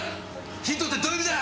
ヒントってどういう意味だ！？